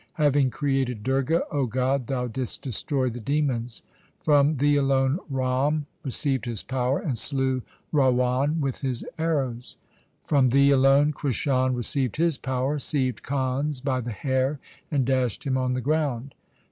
Having created Durga, O God, Thou didst destroy the demons. 1 From Thee alone Ram received his power, and slew Rawan with his arrows. From Thee alone Krishan received his power, seized Kans by the hair, and dashed him on the ground.